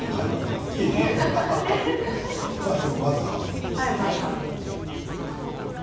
まずは半分にして。